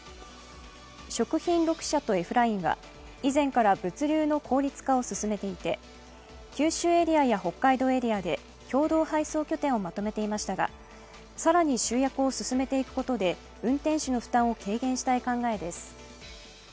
食品６社とＦ−ＬＩＮＥは以前から物流の効率化を進めていて九州エリアや北海道エリアで共同配送拠点をまとめていましたが、更に集約を進めていくことで運転手の負担を軽減したい考えです。